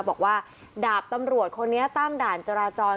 บอกว่าดาบตำรวจคนนี้ตั้งด่านจราจร